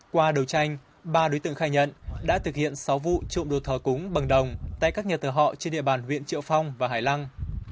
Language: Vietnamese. qua đầu tranh ba đối tượng khai nhận đã thực hiện sáu vụ trộm đột thờ cúng bằng đồng tại các nhà thờ họ trên địa bàn huyện triệu phong và hải lăng